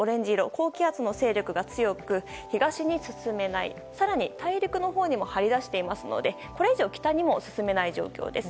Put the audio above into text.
高気圧の勢力が強く東に進めない更に大陸のほうにも張り出していますのでこれ以上北にも進めない状況です。